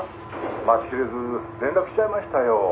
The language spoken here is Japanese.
「待ちきれず連絡しちゃいましたよ」